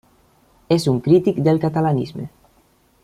És un crític del catalanisme.